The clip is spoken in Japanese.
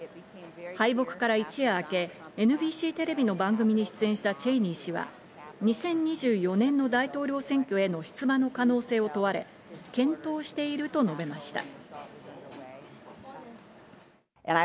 敗北から一夜明け、ＮＢＣテレビの番組に出演したチェイニー氏は２０２４年の大統領選挙への出馬の可能性を問われ、検討していると述べました。